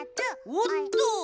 おっとー！